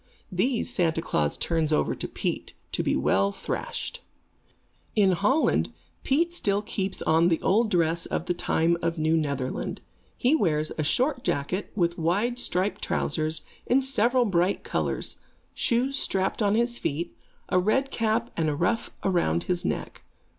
These Santa Klaas turns over to Pete, to be well thrashed. [Illustration: Santa Klaas and Black Pete.] In Holland, Pete still keeps on the old dress of the time of New Netherland. He wears a short jacket, with wide striped trousers, in several bright colors, shoes strapped on his feet, a red cap and a ruff around his neck.